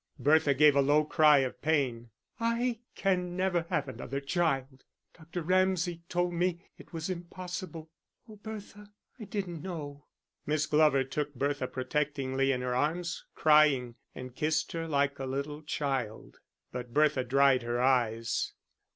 Bertha gave a low cry of pain. "I can never have another child.... Dr. Ramsay told me it was impossible." "Oh, Bertha, I didn't know." Miss Glover took Bertha protectingly in her arms, crying, and kissed her like a little child. But Bertha dried her eyes.